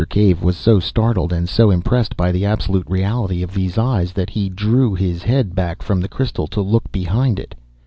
Cave was so startled and so impressed by the absolute reality of these eyes, that he drew his head back from the crystal to look behind it.